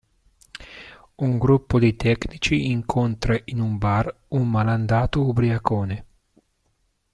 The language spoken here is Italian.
Un gruppo di tecnici incontra in un bar un malandato ubriacone.